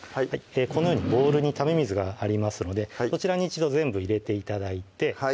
このようにボウルにため水がありますのでこちらに一度全部入れて頂いてはい